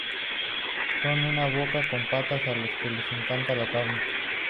Son una boca con patas a los que les encanta la carne.